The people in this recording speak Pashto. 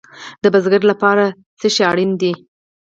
د بزګر لپاره څه شی اړین دی؟